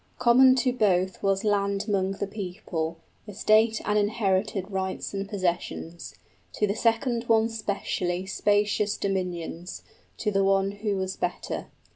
Common to both was land 'mong the people, Estate and inherited rights and possessions, To the second one specially spacious dominions, To the one who was better.